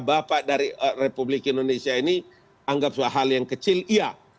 bapak dari republik indonesia ini anggap hal yang kecil iya